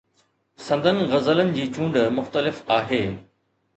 سندن غزلن جي چونڊ مختلف آهي.